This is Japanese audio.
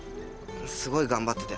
すごい頑張ってて。